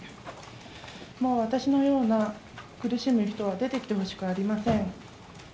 もう私のような苦しむ人は出てきてほしくありません。